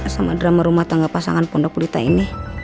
sama drama rumah tangga pasangan pondok pelita ini